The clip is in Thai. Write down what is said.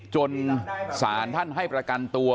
จนศาลท่านให้ประกันตัว